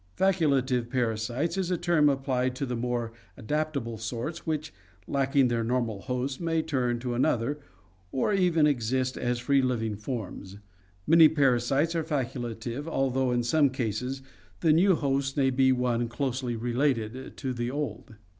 Facultative parasites is a term applied to the more adaptable sorts which, lacking their normal host, may turn to another, or even exist as free living forms. Many parasites are facultative, although in some cases the new host may be one closely related to the old.